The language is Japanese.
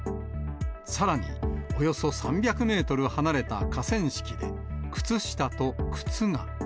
さらにおよそ３００メートル離れた河川敷で、靴下と靴が。